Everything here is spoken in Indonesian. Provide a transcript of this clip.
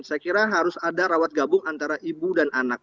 saya kira harus ada rawat gabung antara ibu dan anak